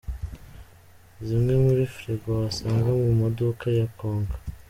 Zimwe muri Frigo wasanga mu maduka ya Konka.